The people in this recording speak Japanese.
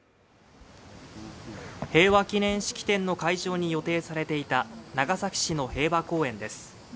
平和祈念式典の会場に予定されていた長崎市の平和公園です